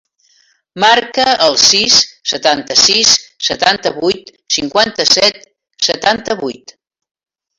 Marca el sis, setanta-sis, setanta-vuit, cinquanta-set, setanta-vuit.